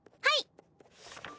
はい。